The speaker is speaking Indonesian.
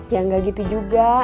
ya enggak gitu juga